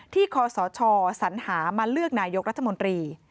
คศสัญหามาเลือกนายกรัฐมนตรี